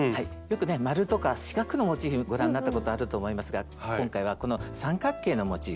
よくね丸とか四角のモチーフご覧なったことあると思いますが今回はこの三角形のモチーフで。